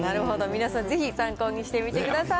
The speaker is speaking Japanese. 皆さん、ぜひ参考にしてみてください。